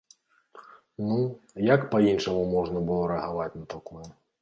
Ну, як па-іншаму можна было рэагаваць на такое?